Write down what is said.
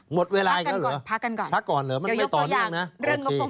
หมดเวลาอีกแล้วเหรอพักกันก่อนพักก่อนเหรอมันไม่ต่อเนื่องนะโอเค